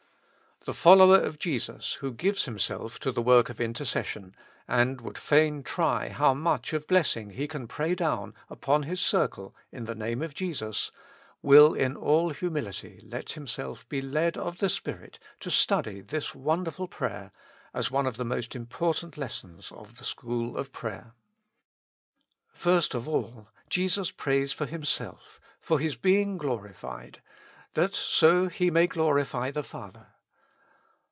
The follower of Jesus, who gives himself to the work of intercession, and would fain try how much of blessing he can pray down upon his circle in the Name of Jesus, will in all humility let himself be led of the Spirit to study this wonder ful prayer as one of the most important lessons of the school of prayer. First of all, Jesus prays for Himself, for His being glorified, that so He may glorify the Father.